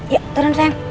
yuk turun sayang